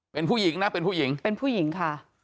เป็นผู้หญิงนะเป็นผู้หญิงเป็นผู้หญิงค่ะ